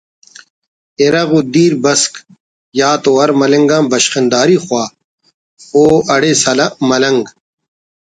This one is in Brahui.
ارغ و دیر بسک ہا تو بر ملنگ آن بشخنداری خواہ…… اؤ اڑے سلہ ملنگ